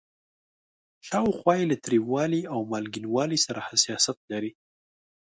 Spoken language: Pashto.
شاوخوا یې له تریوالي او مالګینوالي سره حساسیت لري.